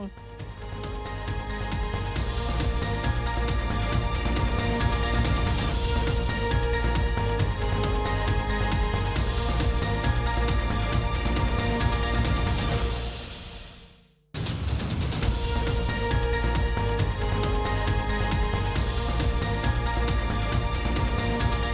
โปรดติดตามตอนต่อไป